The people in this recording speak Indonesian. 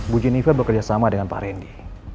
bu juniver bekerjasama dengan pak randy